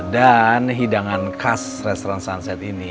dan hidangan khas restaurant sunset ini